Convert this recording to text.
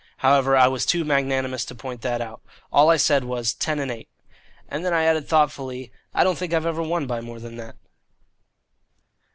However, I was too magnanimous to point that out. All I said was, "Ten and eight." And then I added thoughtfully, "I don't think I've ever won by more than that."